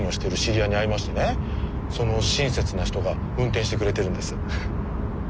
その親切な人が運転してくれてるんです。